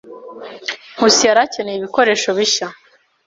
Nkusi yari akeneye ibikoresho bishya.